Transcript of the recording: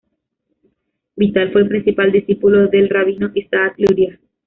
Vital fue el principal discípulo del rabino Isaac Luria.